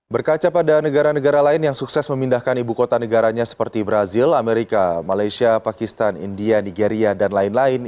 berkaca pada negara negara lain yang sukses memindahkan ibu kota negaranya seperti brazil amerika malaysia pakistan india nigeria dan lain lain